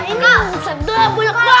ini sedap banyak banget